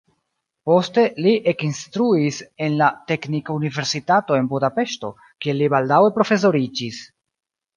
Poste li ekinstruis en la teknikuniversitato en Budapeŝto, kie li baldaŭe profesoriĝis.